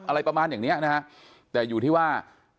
อะไรประมาณอย่างเนี้ยนะฮะแต่อยู่ที่ว่า